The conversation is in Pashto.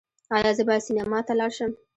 ایا زه باید سینما ته لاړ شم؟